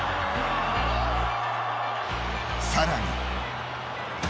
さらに。